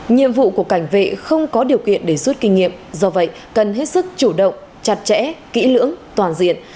nhiệm vụ của cảnh vệ không có điều kiện để rút kinh nghiệm do vậy cần hết sức chủ động chặt chẽ kỹ lưỡng toàn diện